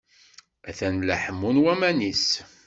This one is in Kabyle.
Atan la ḥemmun waman-is.